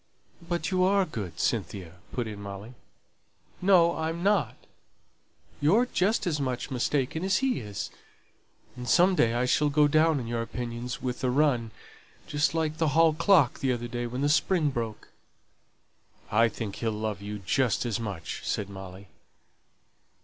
"But you are good, Cynthia," put in Molly. "No, I'm not. You're just as much mistaken as he is; and some day I shall go down in your opinions with a run, just like the hall clock the other day when the spring broke." "I think he'll love you just as much," said Molly.